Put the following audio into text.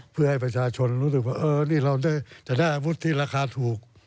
เพื่อให้ประชาชนรู้สึกว่านี่เราจะได้อาวุธที่ราคาถูก